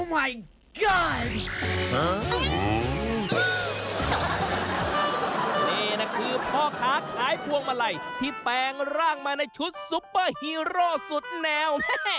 นี่นะคือพ่อค้าขายพวงมาลัยที่แปลงร่างมาในชุดซุปเปอร์ฮีโร่สุดแนว